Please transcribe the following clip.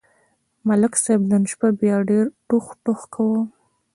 ملک صاحب نن شپه بیا ډېر ټوخ ټوخ کاوه.